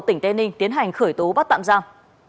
tỉnh tây ninh tiến hành khởi tố bắt tạm giam